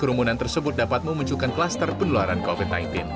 kekhawatiran tersebut dapat memunculkan klaster penularan covid sembilan belas